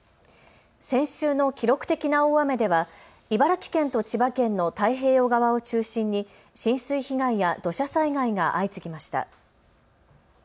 先週の記録的な大雨では茨城県と千葉県の太平洋側を中心に浸水被害や土砂災害が相次ぎました。